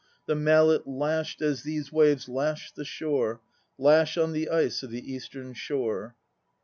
The mallet lashed, as these waves lash the shore, Lash on the ice of the eastern shore.